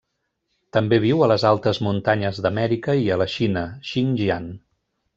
També viu a les altes muntanyes d'Amèrica i a la Xina, Xinjiang.